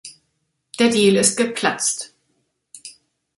Der Deal ist geplatzt.